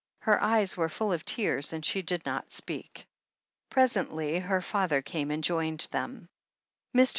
Her eyes were full of tears, and she did not speak. Presently her father came and joined them. Mr.